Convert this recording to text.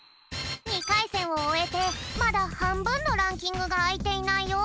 ２かいせんをおえてまだはんぶんのランキングがあいていないよ。